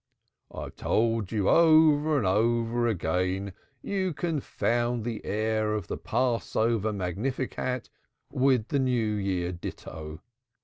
I have told you over and over again you confound the air of the Passover Yigdal with the New Year ditto.